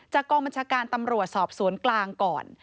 กองบัญชาการตำรวจสอบสวนกลางก่อน